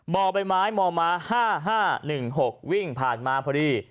บ่อใบไม้มม๕๕๑๖วิ่งผ่านมาพอดี